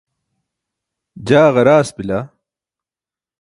jaa ġaraas bila